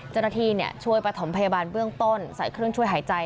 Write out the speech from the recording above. เจ้าหน้าที่ช่วยประถมพยาบาลเบื้องต้นใส่เครื่องช่วยหายใจ